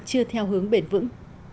chưa theo hướng bền vững